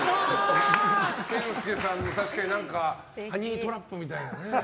健介さん、確かにハニートラップみたいなね。